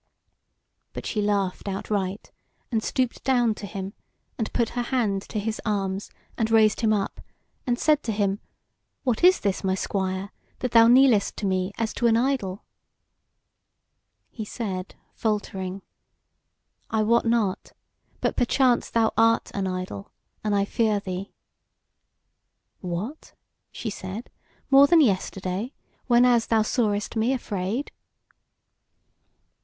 But she laughed outright, and stooped down to him, and put her hand to his arms, and raised him up, and said to him: "What is this, my Squire, that thou kneelest to me as to an idol?" He said faltering: "I wot not; but perchance thou art an idol; and I fear thee." "What!" she said, "more than yesterday, whenas thou sawest me afraid?"